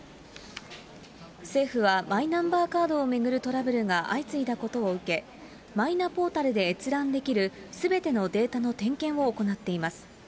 政府はマイナンバーカードを巡るトラブルが相次いだことを受け、マイナポータルで閲覧できるすべてのデータの点検を行っています。